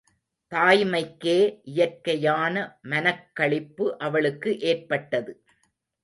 தாய்மைக்கே இயற்கையான மனக்களிப்பு அவளுக்கு ஏற்பட்டது.